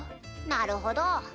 なるほど！